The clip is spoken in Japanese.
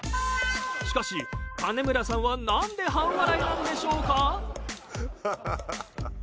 しかし金村さんはなんで半笑いなんでしょうか？